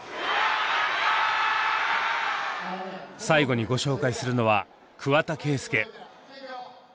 最後にご紹介するのは桑田佳祐。